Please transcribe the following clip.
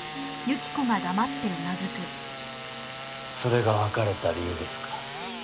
それが別れた理由ですか。